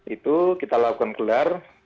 itu kita lakukan gelar